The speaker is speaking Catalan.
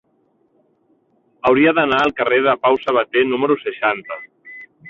Hauria d'anar al carrer de Pau Sabater número seixanta.